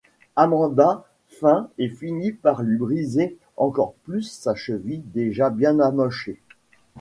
Amanda feint et finit par lui briser encore plus sa cheville déjà bien amochée.